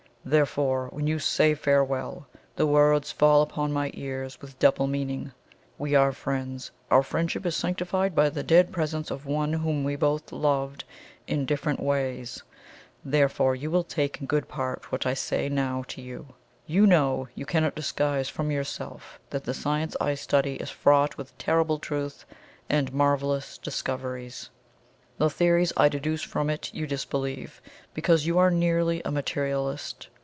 Therefore, when you say 'farewell,' the word falls upon my ears with double meaning. We are friends our friendship is sanctified by the dead presence of one whom we both loved, in different ways; therefore you will take in good part what I now say to you. You know, you cannot disguise from yourself that the science I study is fraught with terrible truth and marvellous discoveries; the theories I deduce from it you disbelieve, because you are nearly a materialist.